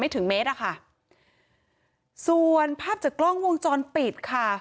ถึงเมตรอะค่ะส่วนภาพจากกล้องวงจรปิดค่ะ